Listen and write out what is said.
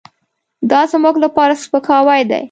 دازموږ لپاره سپکاوی دی .